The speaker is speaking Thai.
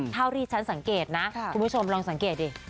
เท่าที่ฉันสังเกตนะคุณผู้ชมลองสังเกตดิ